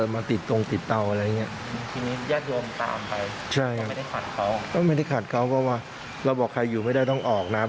ไม่ได้ขัดเขาก็ว่าเราบอกใครอยู่ไม่ได้ต้องออกนะ